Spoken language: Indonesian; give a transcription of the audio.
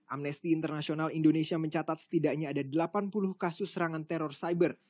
amnesty international indonesia mencatat setidaknya ada delapan puluh kasus serangan teror cyber